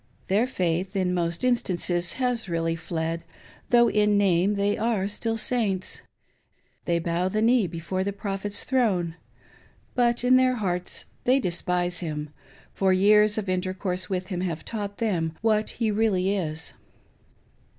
Their faith, in most instances, has really fled, although in name they are still "Saints;" they bow the knee before the Proph et's throne, but in their hearts they despise him ; for years of intercourse with him have taught them what he really is.